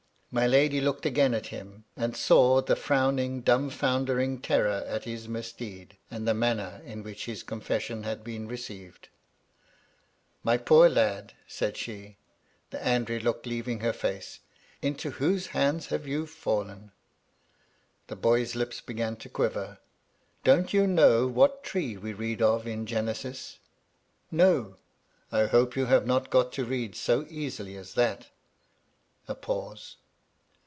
My lady looked 90 MY LADY LUDLOW. again at him, and saw the frowning, dumb foundering terror at his misdeed, and the manner in which his confession had been received. " My poor lad 1" said she, the angry look leaving her face, " into whose hands have you fallen ?" The boy's lips began to quiver. " Don't you know what tree we read of in Genesis ?— No 1 I hope you have not got to read so easily as that" A pause.